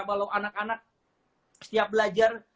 kalau anak anak setiap belajar